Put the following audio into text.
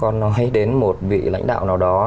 nói đến một vị lãnh đạo nào đó